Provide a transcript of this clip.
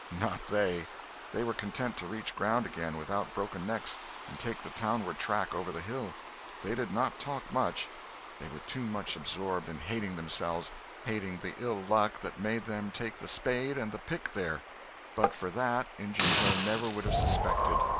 Not they. They were content to reach ground again without broken necks, and take the townward track over the hill. They did not talk much. They were too much absorbed in hating themselves—hating the ill luck that made them take the spade and the pick there. But for that, Injun Joe never would have suspected.